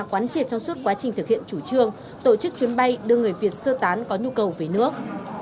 quán triệt trong suốt quá trình thực hiện chủ trương tổ chức chuyến bay đưa người việt sơ tán có nhu cầu về nước